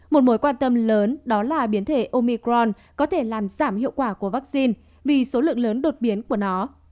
một mối quan tâm lớn đó là biến thể omicron có thể làm giảm hiệu quả của vaccine vì số lượng lớn đột biến của nó